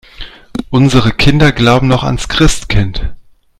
Unsere Kinder glauben noch ans Christkind.